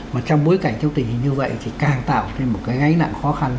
mà trong bối cảnh trong tình hình như vậy thì càng tạo thêm một cái gánh nặng khó khăn